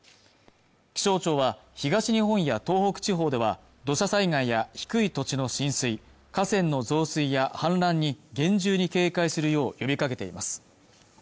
気象庁は東日本や東北地方では土砂災害や低い土地の浸水河川の増水や氾濫に厳重に警戒するよう呼びかけています